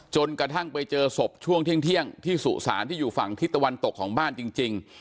จนกระทั่งไปเจอศพช่วงเที่ยงที่สุสานที่อยู่ฝั่งทิศตะวันตกของบ้านจริง